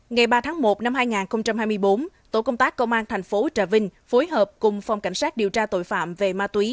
ngày ba tháng một năm hai nghìn hai mươi bốn tổ công tác công an thành phố trà vinh phối hợp cùng phòng cảnh sát điều tra tội phạm về ma túy